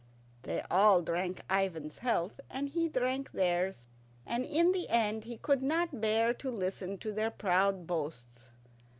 They all drank Ivan's health, and he drank theirs, and in the end he could not bear to listen to their proud boasts.